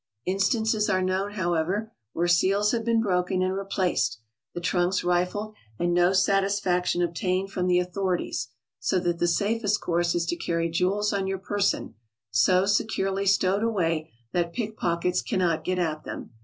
Instances are known, however, where seals have been broken and replaced, the trunks rifled, and no satisfaction obtained from the authorities, so that the safest course is to carry jewels on your person, so securely stowed away that pick pockets cannot get at them.